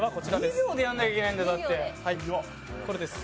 ２秒でやらなきゃいけないんだよ、だって。